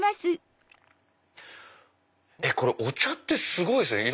お茶ってすごいっすね！